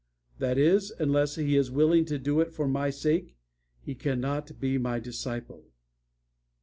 That is, unless he is willing to do it for my sake, he cannot be my disciple.